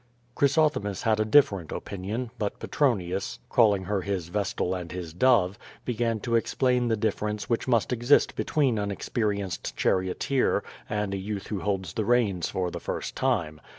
*' Chrysothemis had a different opinion, but Petronius, call ing her his vestal and his dove, began to explain the difference wMch must exist between an experienced charioteer and a youth who holds the reins for the first time.